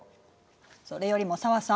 それよりも紗和さん